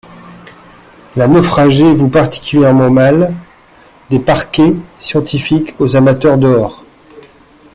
La naufragée voue particulièrement mal des parquets scientifiques aux amateurs dehors.